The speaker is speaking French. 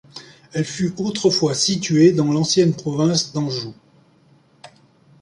Elle fut autrefois située dans l'ancienne province d'Anjou.